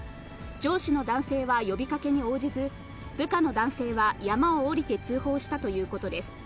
上司の男性は呼びかけに応じず、部下の男性は山を下りて通報したということです。